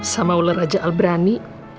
sama ular aja al berani